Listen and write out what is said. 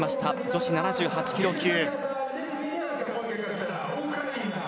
女子７８キロ級。